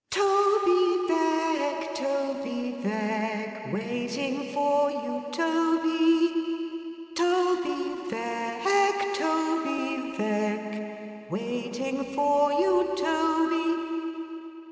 'Toby Veck, Toby Veck, waiting for you Toby! Toby Veck, Toby Veck, waiting for you Toby!